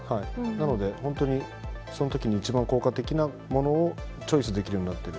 なので、その時一番効果的なものをチョイスできるようになっている。